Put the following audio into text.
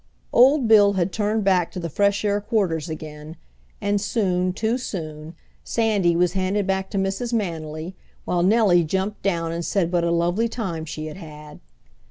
Old Bill had turned back to the fresh air quarters again, and soon, too soon, Sandy was handed back to Mrs. Manily, while Nellie jumped down and said what a lovely time she had had.